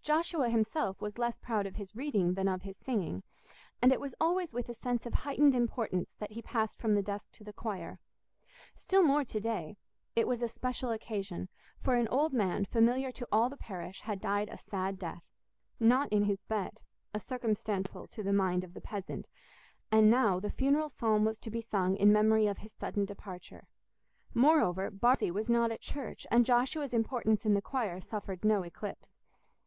Joshua himself was less proud of his reading than of his singing, and it was always with a sense of heightened importance that he passed from the desk to the choir. Still more to day: it was a special occasion, for an old man, familiar to all the parish, had died a sad death—not in his bed, a circumstance the most painful to the mind of the peasant—and now the funeral psalm was to be sung in memory of his sudden departure. Moreover, Bartle Massey was not at church, and Joshua's importance in the choir suffered no eclipse.